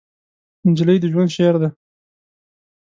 نجلۍ د ژوند شعر ده.